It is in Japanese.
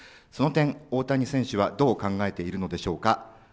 その点、大谷選手はどう考えているのでしょうか。